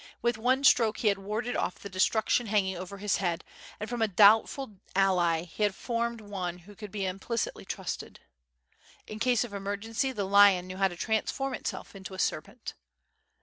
With one stroke he had warded off the destruction hanging over his head, and from a dobtful ally he had formed one who could be im plicitly trusted. In case of emergency the lion knew how to transform itself into a serpent.